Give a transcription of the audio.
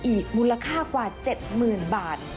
อีกมูลค่ากว่า๗๐๐๐บาท